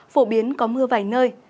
phổ biến có mưa vài nơi